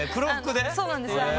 そうなんです。